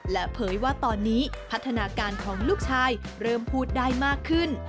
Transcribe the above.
และเผยว่าตอนนี้พัฒนาการของลูกชายเริ่มพูดได้มากขึ้น